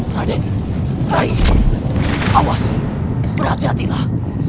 raden rayi awas berhati hatilah